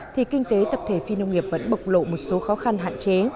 thì kinh tế tập thể phi nông nghiệp vẫn bộc lộ một số khó khăn hạn chế